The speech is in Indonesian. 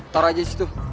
taruh aja disitu